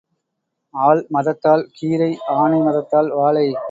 ஆள் மதத்தால் கீரை ஆனை மதத்தால் வாழை.